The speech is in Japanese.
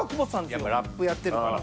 やっぱラップやってるから。